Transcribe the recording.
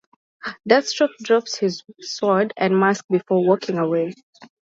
Deathstroke drops his sword and mask before walking away.